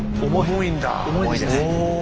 重いです。